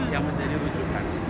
yang menjadi wujudkan